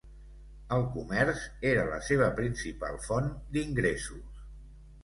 El comerç era la seva principal font d'ingressos.